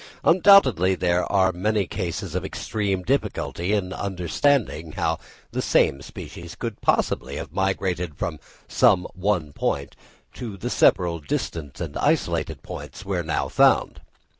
Undoubtedly there are many cases of extreme difficulty in understanding how the same species could possibly have migrated from some one point to the several distant and isolated points, where now found.